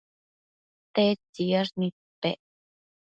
tedtsiyash nidpec